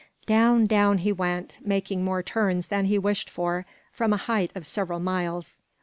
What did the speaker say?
Down, down he went, making more turns than he wished for, from a height of several miles.